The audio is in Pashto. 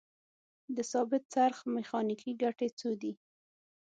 د ثابت څرخ میخانیکي ګټې څو دي؟